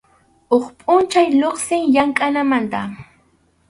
Huk pʼunchaw lluqsin llamkʼananmanta.